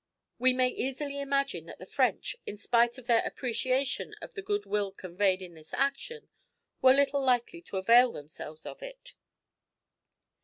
We may easily imagine that the French, in spite of their appreciation of the good will conveyed in this action, were little likely to avail themselves of it.